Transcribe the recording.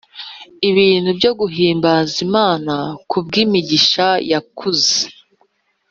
ibintu byo guhimbaza imana kubw, imigisha yakuze.